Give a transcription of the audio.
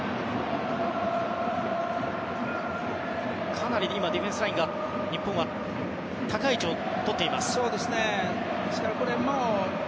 かなりディフェンスライン高い位置をとっている日本。